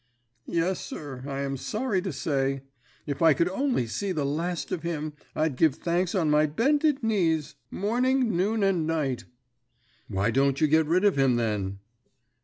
"Yes, sir, I am sorry to say. If I could only see the last of him I'd give thanks on my bended knees morning, noon, and night." "Why don't you get rid of him, then?"